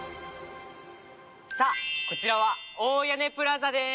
さあこちらは大屋根プラザです。